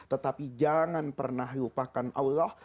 tetapi jangan pernah lupakan allah